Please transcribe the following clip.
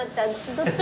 どっち？